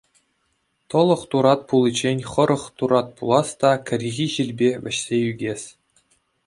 Тӑлӑх турат пуличчен хӑрӑк турат пулас та кӗрхи ҫилпе вӗҫсе ӳкес.